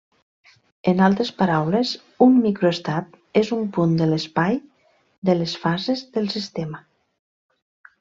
En altres paraules, un microestat és un punt de l’espai de les fases del sistema.